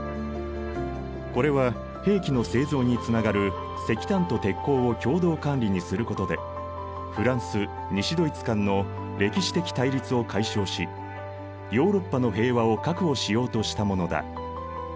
これは兵器の製造につながる石炭と鉄鋼を共同管理にすることでフランス西ドイツ間の歴史的対立を解消しヨーロッパの平和を確保しようとしたものだ。